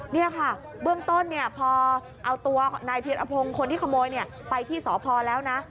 นี่ค่ะเบื้องต้นพอเอาตัวนายเพียรพงศ์คนที่ขโมยไปที่สพแล้วนะ